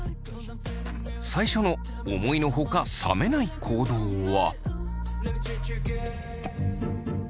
最初の思いのほか冷めない行動は。